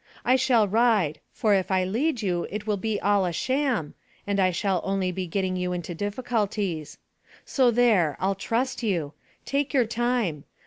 I shall ride, for if I lead you it will be all a sham, and I shall only be getting you into difficulties. So there: I'll trust you. Take your time.